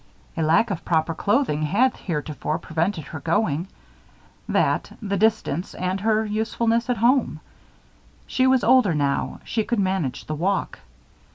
A lack of proper clothing had heretofore prevented her going that, the distance, and her usefulness at home. She was older now, she could manage the walk.